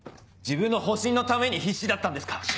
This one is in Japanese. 自分の保身のために必死だったんですか。